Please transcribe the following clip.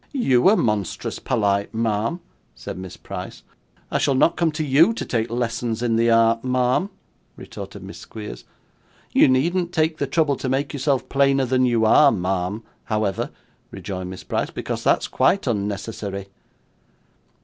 'You are monstrous polite, ma'am,' said Miss Price. 'I shall not come to you to take lessons in the art, ma'am!' retorted Miss Squeers. 'You needn't take the trouble to make yourself plainer than you are, ma'am, however,' rejoined Miss Price, 'because that's quite unnecessary.